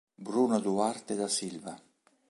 Bruno Duarte da Silva